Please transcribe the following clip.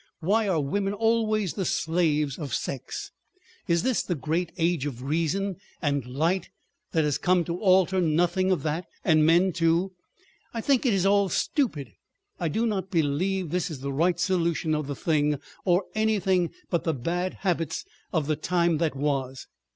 Why are women always the slaves of sex? Is this great age of Reason and Light that has come to alter nothing of that? And men too! I think it is all—stupid. I do not believe this is the right solution of the thing, or anything but the bad habits of the time that was.